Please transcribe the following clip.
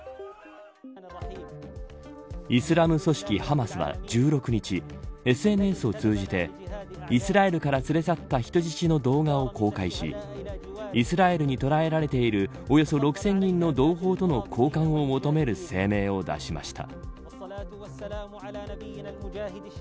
イスラム組織ハマスは１６日ＳＮＳを通じてイスラエルから連れ去った人の人質の動画を公開しイスラエルに捕らえられているおよそ６０００人の同胞との交換を求める声明を出しました。